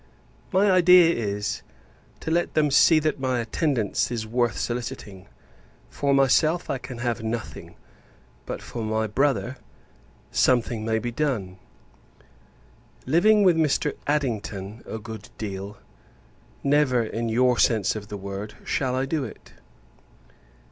My idea is, to let them see that my attendance is worth soliciting. For myself, I can have nothing; but, for my brother, something may be done. Living with Mr. Addington a good deal; never, in your sense of the word, shall I do it.